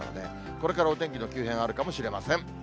これからお天気の急変、あるかもしれません。